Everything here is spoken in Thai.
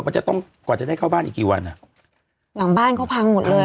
กว่าจะได้เข้าบ้านอีกกี่วันหลังบ้านเค้าพังหมดเลย